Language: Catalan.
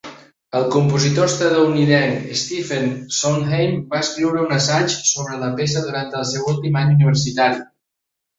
El compositor estatunidenc Stephen Sondheim va escriure un assaig sobre la peça durant el seu últim any universitari.